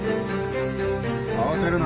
慌てるな。